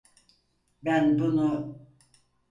Ben bunu…